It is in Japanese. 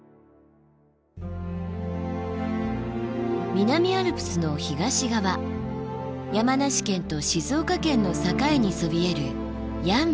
南アルプスの東側山梨県と静岡県の境にそびえる山伏。